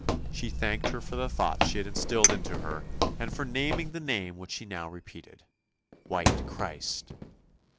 She thanked her for the thoughts she had instilled into her, and for naming the name which she now repeated, "White Christ!